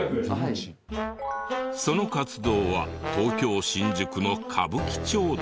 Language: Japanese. その活動は東京新宿の歌舞伎町で。